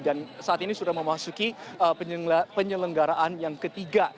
saat ini sudah memasuki penyelenggaraan yang ketiga